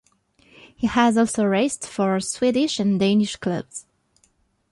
He has also raced for Swedish and Danish clubs.